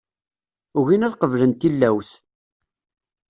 Ugin ad qeblen tillawt.